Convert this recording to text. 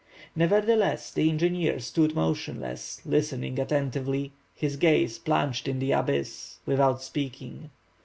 Nevertheless the engineer stood motionless, listening attentively, his gaze plunged in the abyss, without speaking.